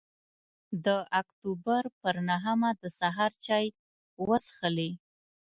د اکتوبر پر نهمه د سهار چای وڅښلې.